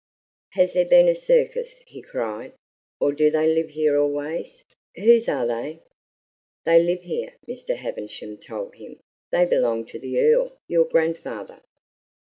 "Has there been a circus?" he cried; "or do they live here always? Whose are they?" "They live here," Mr. Havisham told him. "They belong to the Earl, your grandfather."